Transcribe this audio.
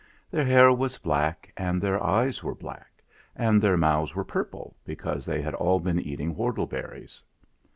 Their hair was black and their eyes were black, and their mouths were purple because they had all been eating whortleberries.